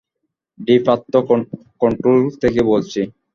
Deep earth control থেকে বলছি।